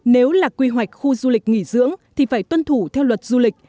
nếu là quy hoạch khu du lịch nghỉ dưỡng thì phải tuân thủ theo luật du lịch